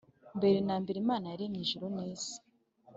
Mbere na mbere Imana yaremye ijuru n isi